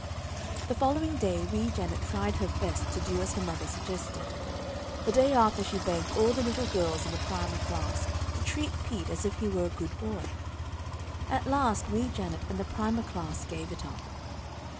The following day Wee Janet tried her best to do as her mother suggested. The day after she begged all the little girls in the Primer Class to treat Pete as if he were a good boy. At last Wee Janet and the Primer Class gave it up.